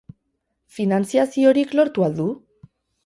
Finantziaziorik lortu al du?